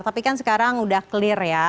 tapi kan sekarang sudah clear ya